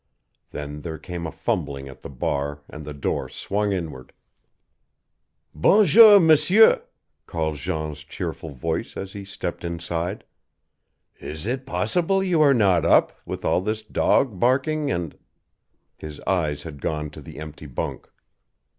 Then there came a fumbling at the bar and the door swung inward. "Bon jour, M'seur," called Jean's cheerful voice as he stepped inside. "Is it possible you are not up, with all this dog barking and " His eyes had gone to the empty bunk.